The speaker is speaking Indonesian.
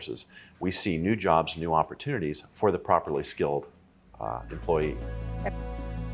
kita melihat pekerjaan baru dan peluang baru untuk pekerja yang berpengaruh